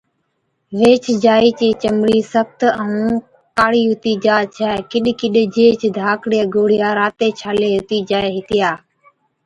ويهچ جائِي چِي چمڙِي سخت ائُون ڪاڙِي هُتِي جا ڇَي ڪِڏ ڪِڏ جيهچ ڌاڪڙِيا گوڙهِيا راتي ڇالي هُتِي جائي هِتِيا